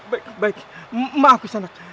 baik baik maaf kisangat